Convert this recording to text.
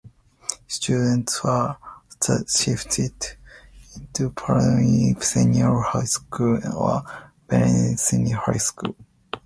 Students were shifted into Padbury Senior High School or Belridge Senior High School.